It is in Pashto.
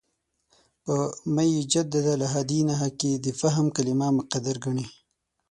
په «مَن یُجَدِّدُ لَهَا دِینَهَا» کې د «فهم» کلمه مقدر ګڼي.